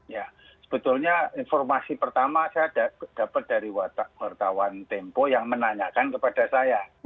ya sebetulnya informasi pertama saya dapat dari wartawan tempo yang menanyakan kepada saya